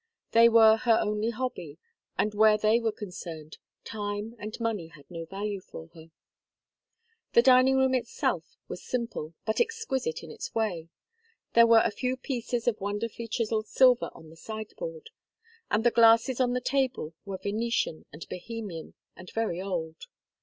They were her only hobby, and where they were concerned, time and money had no value for her. The dining room itself was simple, but exquisite in its way. There were a few pieces of wonderfully chiselled silver on the sideboard, and the glasses on the table were Venetian and Bohemian, and very old.